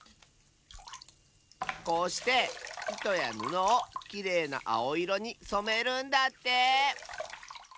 こうしていとやぬのをきれいなあおいろにそめるんだって！